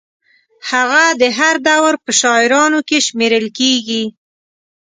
هغه د هر دور په شاعرانو کې شمېرل کېږي.